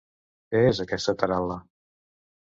¿Què és, aquesta taral·la?